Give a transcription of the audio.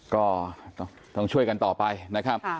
ก็ต้องช่วยกันต่อไปนะครับ